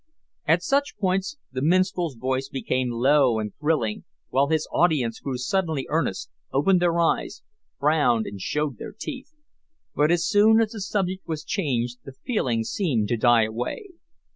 At such points the minstrel's voice became low and thrilling, while his audience grew suddenly earnest, opened their eyes, frowned, and showed their teeth; but as soon as the subject was changed the feeling seemed to die away.